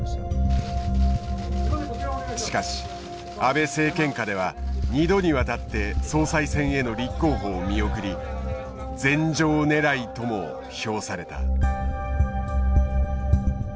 しかし安倍政権下では２度にわたって総裁選への立候補を見送り禅譲狙いとも評された。